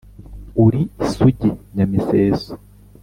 uri isugi nyamiseso